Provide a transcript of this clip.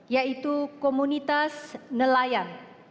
yaitu komunitas nelayan